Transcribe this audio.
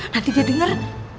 nanti dia denger